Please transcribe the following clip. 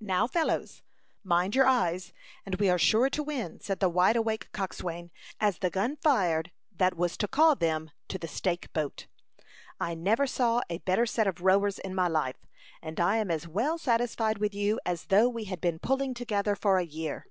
"Now, fellows, mind your eyes, and we are sure to win," said the wide awake coxswain, as the gun fired that was to call them to the stake boat. "I never saw a better set of rowers in my life, and I am as well satisfied with you as though we had been pulling together for a year."